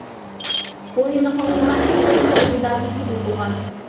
بۇ يېزىقنى ئۇيغۇرلار ئەسلىدە سوغدىلاردىن قوبۇل قىلغان.